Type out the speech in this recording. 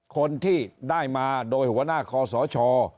คนที่ได้มาโดยหัวหน้าคอสช